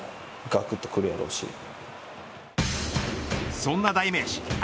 そんな代名詞悪